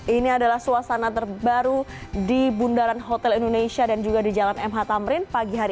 ini adalah suasana terbaru di bundaran hotel indonesia dan juga di jalan mh tamrin pagi hari